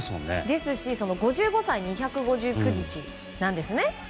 ですし、三浦さんは５５歳２５９日なんですね。